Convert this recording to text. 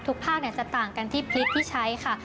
ภาคจะต่างกันที่พริกที่ใช้ค่ะ